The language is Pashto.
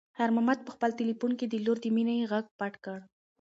خیر محمد په خپل تلیفون کې د لور د مینې غږ پټ کړ.